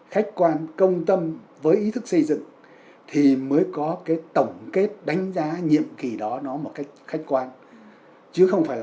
khách quan công tâm với ý thức